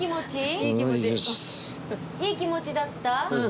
いい気持ちだった。